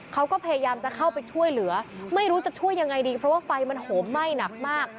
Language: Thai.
เขาก็พยายามจะเข้าไปช่วยเหลือไม่รู้จะช่วยยังไงดีเพราะว่าไฟมันโหมไหม้หนักมาก